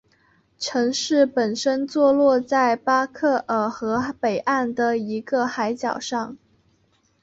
城市本身坐落在巴克尔河北岸的一个海角上。